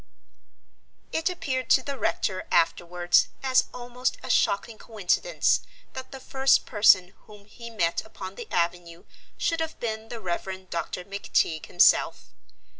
It appeared to the rector afterwards as almost a shocking coincidence that the first person whom he met upon the avenue should have been the Rev. Dr. McTeague himself.